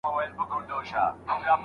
انټرنیټ د پوهې د ترلاسه کولو لاره لنډوي.